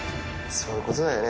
そういうことだよね。